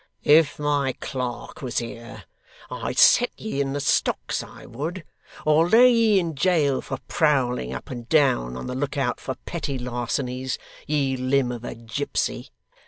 If my clerk was here, I'd set ye in the stocks, I would, or lay ye in jail for prowling up and down, on the look out for petty larcenies, ye limb of a gipsy.